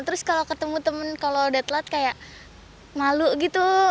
terus kalau ketemu temen kalau udah telat kayak malu gitu